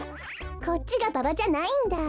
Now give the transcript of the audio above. こっちがババじゃないんだ。